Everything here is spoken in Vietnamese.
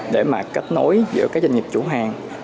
để mà kết nối giữa các doanh nghiệp chủ hàng